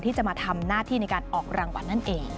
ที่จะมาทำหน้าที่ในการออกรางวัลนั่นเอง